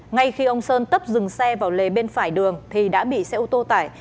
ngay khi ông sơn tấp dừng xe vào lề bên phải đường thì đã bị xe ô tô tải